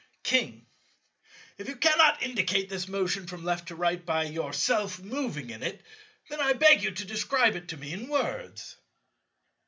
King. If you cannot indicate this motion from left to right by yourself moving in it, then I beg you to describe it to me in words.